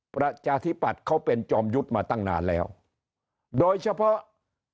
ประชาธิปัตย์เขาเป็นจอมยุทธ์มาตั้งนานแล้วโดยเฉพาะ